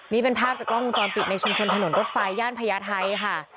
นี่เป็นภาพจากกล้องกุมจอบปิดในชุดถนนรถไฟญ่านภยไทยค่ะ